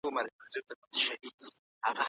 ملګرو لکه لطيف پدرام او د هغوی د ډلو لخوا، په